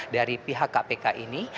dari pihak kpk ini